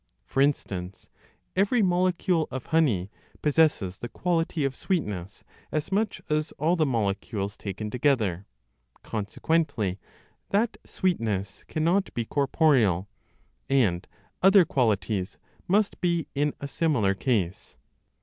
For instance, every molecule of honey, possesses the quality of sweetness as much as all the molecules taken together; consequently that sweetness cannot be corporeal; and other qualities must be in a similar case.